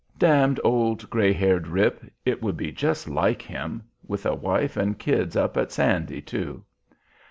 "Dam'd old gray haired rip! It would be just like him. With a wife and kids up at Sandy too."